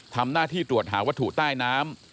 ทำหน้าที่ตรวจหาวัตถุใต้น้ำ